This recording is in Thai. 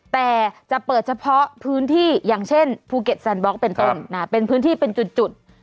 แต่จะเปิดเฉพาะพื้นที่อย่างเช่นภูเก็ตแซนบล็อกเป็นต้นเป็นพื้นที่เป็นจุด